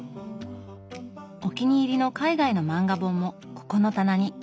お気に入りの海外の漫画本もここの棚に。